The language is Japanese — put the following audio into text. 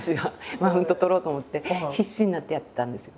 マウント取ろうと思って必死になってやってたんです。